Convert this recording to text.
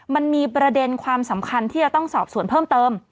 มันมีประเด็นความสำคัญที่จะต้องสอบส่วนเพิ่มเติม